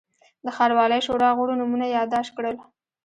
د ښاروالۍ شورا غړو نومونه یاداشت کړل.